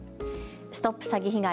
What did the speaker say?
ＳＴＯＰ詐欺被害！